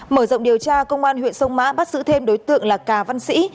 mở rộng điều tra công an huyện sông mã bắt giữ thêm đối tượng là cà văn sĩ